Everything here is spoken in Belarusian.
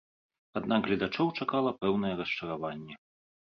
Аднак гледачоў чакала пэўнае расчараванне.